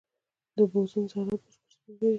د بوزون ذرات بشپړ سپین لري.